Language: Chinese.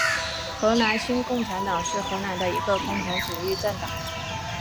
荷兰新共产党是荷兰的一个共产主义政党。